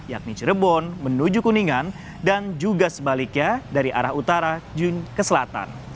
yakni cirebon menuju kuningan dan juga sebaliknya dari arah utara jun ke selatan